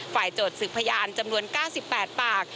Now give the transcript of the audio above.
โจทย์สืบพยานจำนวน๙๘ปาก